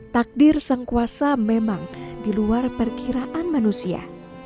takdir sang kuasa memang di luar perkiraan manusia